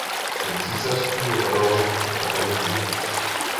Byl císařským radou a komořím.